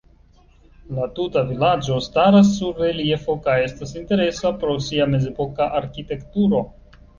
La tuta vilaĝo staras sur reliefo kaj estas interesa pro sia mezepoka arkitekturo.